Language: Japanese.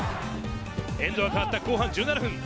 エンドが変わった後半１７分。